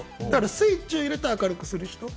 スイッチを入れて明るくする人。